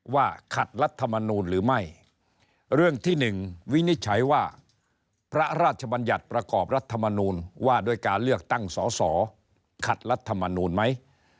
ว่าขัดรัฐมนูลหรือไม่เรื่องที่๑วินิจฉัยว่าพระราชบัญญัติประกอบรัฐมนูลว่าด้วยการเลือกตั้งสอสอขัดรัฐมนูลไหม